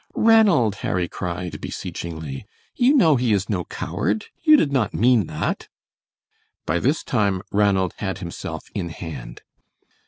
"Ranald," Harry cried, beseechingly, "you know he is no coward; you did not mean that." By this time Ranald had himself in hand.